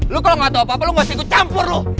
lu kalo nggak tau apa apa lu nggak usah ikut campur lu